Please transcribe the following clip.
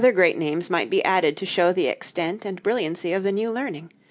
Other great names might be added to show the extent and brilliancy of the new learning.